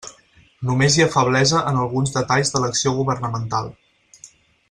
Només hi ha feblesa en alguns detalls de l'acció governamental.